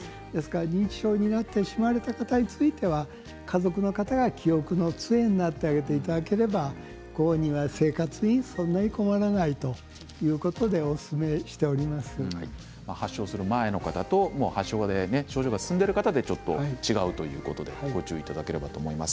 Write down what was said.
認知症になった方については家族の方が記憶のつえになってあげていただければご本人が生活にそんなに困らないということで発症する前の方と発症して症状が進んでいる方で違うということでご注意いただければと思います。